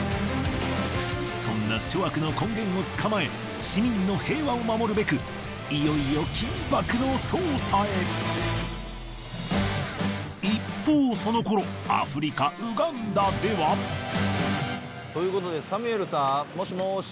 そんな諸悪の根源を捕まえ市民の平和を守るべくいよいよ一方その頃アフリカウガンダでは。ということでサミュエルさんもしもし。